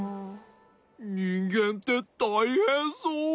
にんげんってたいへんそう。